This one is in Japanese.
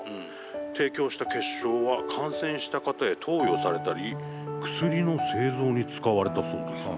提供した血しょうは感染した方へ投与されたり薬の製造に使われたそうです。